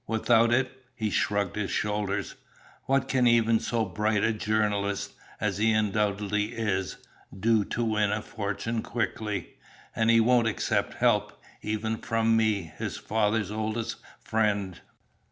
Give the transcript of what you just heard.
Without it" he shrugged his shoulders "what can even so bright a journalist, as he undoubtedly is, do to win a fortune quickly. And he won't accept help, even from me, his father's oldest friend."